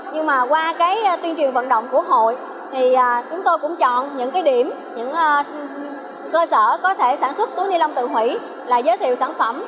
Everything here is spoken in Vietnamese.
nhưng mà qua cái tuyên truyền vận động của hội thì chúng tôi cũng chọn những cái điểm những cơ sở có thể sản xuất túi ni lông tự hủy là giới thiệu sản phẩm